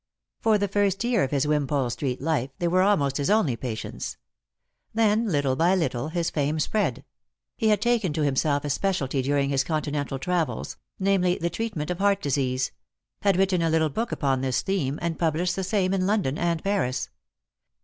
Por the first year of his Wimpole street life they were almost his only patients. Then little by little his fame spread ; he had taken to himself a specialty during his continental travels, namely, the treatment of heart disease — had written a little book upon this theme, and published the same in London and Paris.